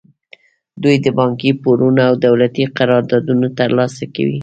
دوی د بانکي پورونه او دولتي قراردادونه ترلاسه کول.